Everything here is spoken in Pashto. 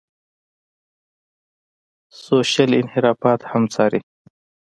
سوشل انحرافات هم څاري.